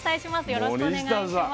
よろしくお願いします。